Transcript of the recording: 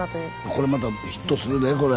これまたヒットするでこれ。